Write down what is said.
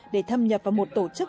để thâm nhập vào một tổ chức